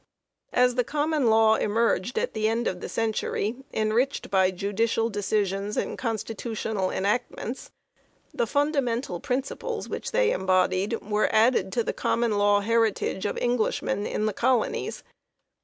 As the Common Law emerged at the end of the century enriched by judicial decisions and constitutional enactments, the fundamental prin ciples which they embodied were added to the Com mon Law heritage of Englishmen in the colonies.